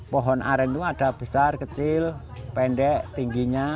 pohon aren itu ada besar kecil pendek tingginya